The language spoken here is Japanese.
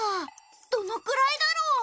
どのくらいだろう？